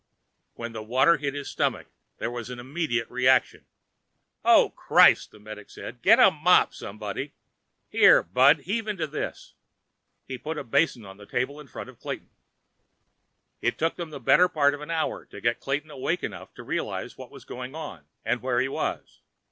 When the water hit his stomach, there was an immediate reaction. "Oh, Christ!" the medic said. "Get a mop, somebody. Here, bud; heave into this." He put a basin on the table in front of Clayton. It took them the better part of an hour to get Clayton awake enough to realize what was going on and where he was.